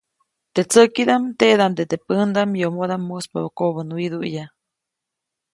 Teʼ tsäkidaʼm, teʼdaʼmde teʼ pändaʼm yomodaʼm muspabä kobänwiduʼya.